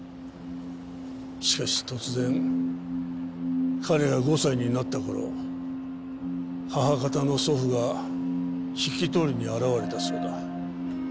しかし突然彼が５歳になった頃母方の祖父が引き取りに現れたそうだ。